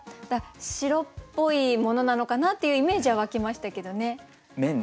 白っぽいものなのかなっていうイメージは湧きましたけどね。